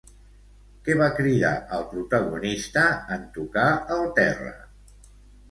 Què va cridar el protagonista en tocar el terra?